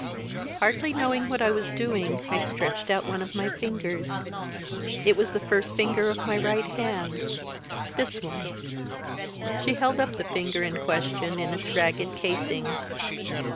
Hardly knowing what I was doing, I stretched out one of my fingers; it was the first finger of my right hand this one." She held up the finger in question in its ragged casing.